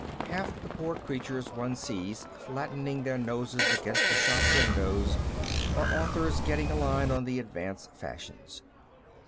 Half the poor creatures one sees flattening their noses against the shop windows are authors getting a line on the advance fashions.